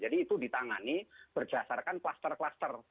jadi itu ditangani berdasarkan kluster kluster